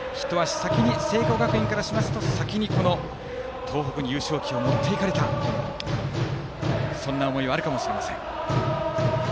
聖光学院からしますと一足先に東北に優勝旗を持っていかれたという思いはあるかもしれません。